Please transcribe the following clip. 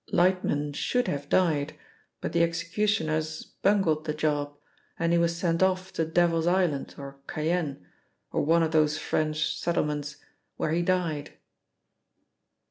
Lightman should have died, but the executioners bungled the job, and he was sent off to Devil's Island, or Cayenne, or one of those French settlements, where he died."